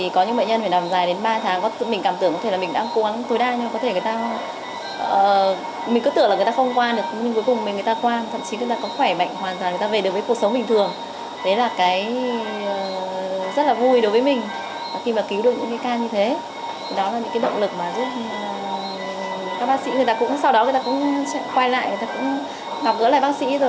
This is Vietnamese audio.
các bác sĩ sau đó cũng quay lại họ cũng gặp gỡ lại bác sĩ rồi